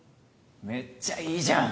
めっちゃいいじゃん！